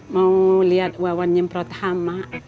mau lihat wawan nyemprot hama